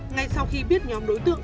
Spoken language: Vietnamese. ngay sau khi biết nhóm đối tượng